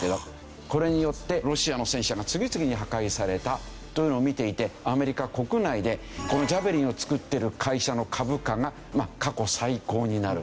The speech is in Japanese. これによってロシアの戦車が次々に破壊されたというのを見ていてアメリカ国内でこのジャベリンを作ってる会社の株価が過去最高になる。